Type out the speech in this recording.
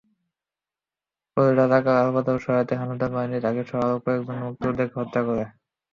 পরে রাজাকার-আলবদরদের সহায়তায় হানাদার বাহিনী তাঁকেসহ আরও অনেক মুক্তিযোদ্ধাকে হত্যা করে।